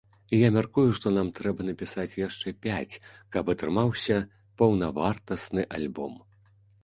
Я мяркую, што нам трэба напісаць яшчэ пяць, каб атрымаўся паўнавартасны альбом.